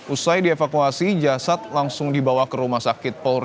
usai dievakuasi jasad langsung dibawa ke rumah sakit polri